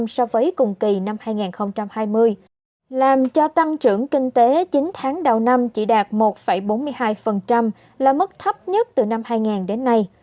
so với cùng kỳ năm hai nghìn hai mươi làm cho tăng trưởng kinh tế chín tháng đầu năm chỉ đạt một bốn mươi hai là mức thấp nhất từ năm hai nghìn đến nay